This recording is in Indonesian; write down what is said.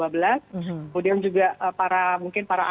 kemudian juga mungkin para